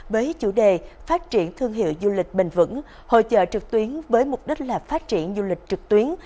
với chủ đề phát triển thương hiệu du lịch bền vững hội chợ trực tuyến với mục đích là phát triển du lịch trực tuyến